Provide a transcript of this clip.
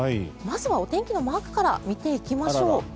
まずは、お天気のマークから見ていきましょう。